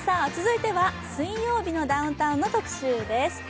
続いては「水曜日のダウンタウン」の特集です。